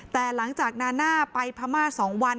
แต่หลังจากนาน่าไปพม่า๒วัน